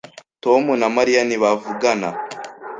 Tom na Mariya ntibavugana.